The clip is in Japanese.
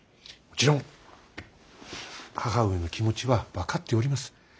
もちろん母上の気持ちは分かっております。